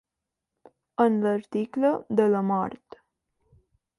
En l'article de la mort.